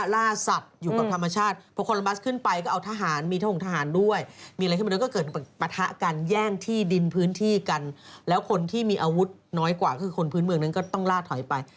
แล้วคนที่มีอาวุธน้อยกว่าคือคนพื้นเมืองนั้นก็ต้องลาดถอยไป